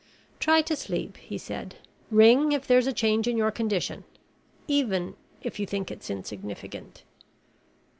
"Try to sleep," he said. "Ring if there's a change in your condition even if you think it's insignificant."